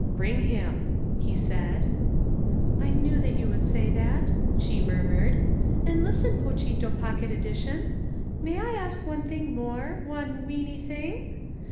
"Bring him," he said. "I knew that you would say that," she murmured, "and listen, pochito pocket edition, may I ask one thing more, one weeny thing?